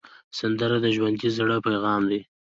سندره د ژوندي زړه پیغام دی